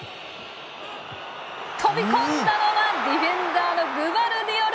飛び込んだのはディフェンダーのグバルディオル。